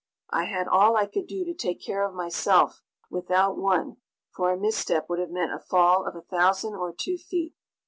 I had all I could do to take care of myself without one, for a mis step would have meant a fall of a thousand or two feet.